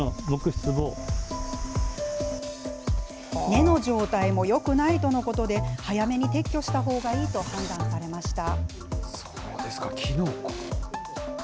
根の状態もよくないとのことで、早めに撤去したほうがいいとそうですか、キノコ。